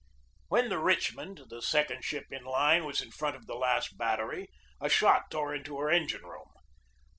When the Richmond, the second ship in line, was in front of the last battery, a shot tore into her en gine room.